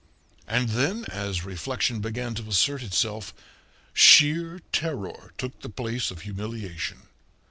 And then, as reflection began to assert itself, sheer terror took the place of humiliation.